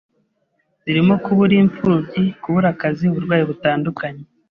zirimo kuba uri imfubyi, kubura akazi, uburwayi butandukanye,